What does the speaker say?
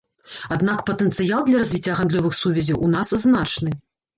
Аднак патэнцыял для развіцця гандлёвых сувязяў у нас значны.